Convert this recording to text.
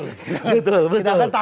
kita akan takutnya begitu